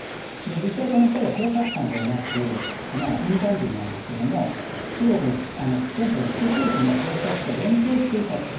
実際、この２人は警察官ではなく、民間人なんですけれども、中国の福建省の福州市の警察と連携していたと。